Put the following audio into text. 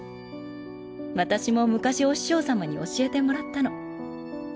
私も昔お師匠様に教えてもらったの